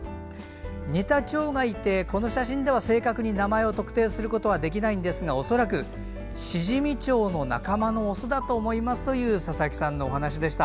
似たちょうがいてこの写真では正確に名前を特定することはできないんですが恐らくシジミチョウの仲間のオスだと思いますという佐々木さんのお話でした。